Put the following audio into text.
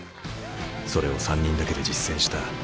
それを３人だけで実践した。